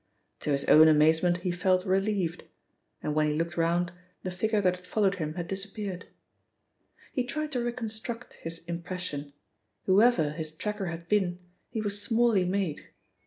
To his own amazement he felt relieved, and when he looked round, the figure that had followed him had disappeared. He tried to reconstruct his impression; whoever his tracker had been, he was smally made.